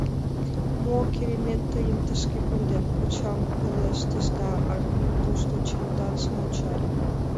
— Мо керемет тыйым тышке конден? — кочам пелештыш да Арвин тошто чемоданжым ончале.